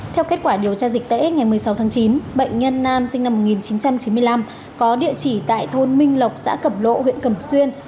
theo kết quả điều tra dịch tễ ngày một mươi sáu tháng chín bệnh nhân nam sinh năm một nghìn chín trăm chín mươi năm có địa chỉ tại thôn minh lộc xã cẩm lộ huyện cẩm xuyên